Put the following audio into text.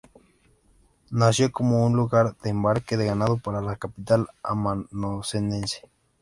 Nació como un lugar de embarque de ganado para la capital amazonense.